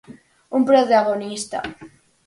Un protagonista.